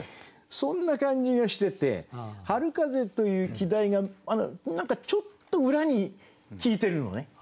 そんな感じがしてて「春風」という季題が何かちょっと裏に効いてるのね。